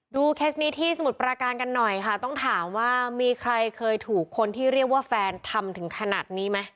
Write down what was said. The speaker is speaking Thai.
เคสนี้ที่สมุทรปราการกันหน่อยค่ะต้องถามว่ามีใครเคยถูกคนที่เรียกว่าแฟนทำถึงขนาดนี้ไหม